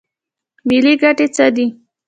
ملي ګټې څه دي؟